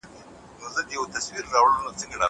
زه اوس کتابونه ليکم!!!!